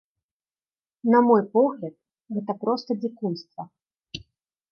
На мой погляд, гэта проста дзікунства.